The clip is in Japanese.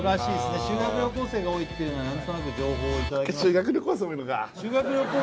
修学旅行生が多いっていうのは何となく情報をいただきました修学旅行